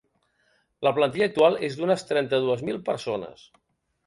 La plantilla actual és d’unes trenta-dues mil persones.